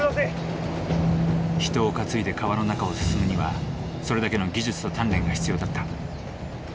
人を担いで川の中を進むにはそれだけの技術と鍛錬が必要だった。